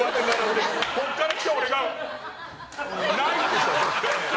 ここから来て、俺がないでしょ。